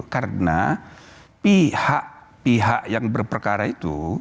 karena pihak pihak yang berperkara itu